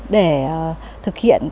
để thực hiện việc